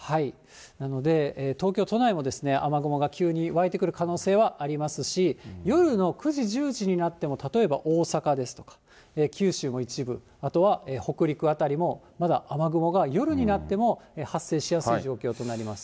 なので、東京都内も雨雲が急に湧いてくる可能性はありますし、夜の９時、１０時になっても、例えば大阪ですとか、九州も一部、あとは北陸辺りも、まだ雨雲が、夜になっても発生しやすい状況となります。